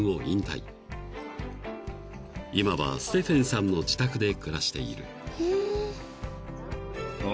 ［今はステフェンさんの自宅で暮らしている］